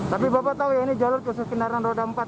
tapi bapak tahu ya ini jalur ke sesekitaran roda empat ya